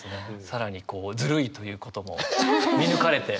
更にこうずるいということも見抜かれて。